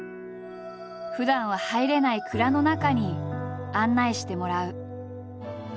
ふだんは入れない蔵の中に案内してもらう。